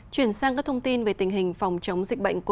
chuyển sang các thông tin về tình hình phòng chống dịch bệnh